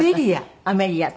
アメリア。